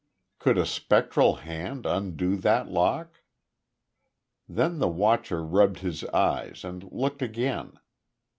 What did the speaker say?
Could a spectral hand undo that lock? Then the watcher rubbed his eyes and looked again.